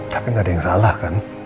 tapi nggak ada yang salah kan